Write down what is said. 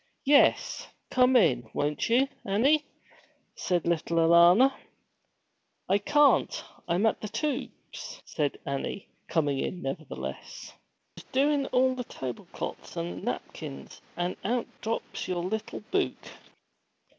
'Yes; come in, won't you, Annie?' said little Alanna. 'I cahn't. I'm at the toobs,' said Annie, coming in nevertheless. 'I was doin' all the tableclot's and napkins, an' out drops your little buke!'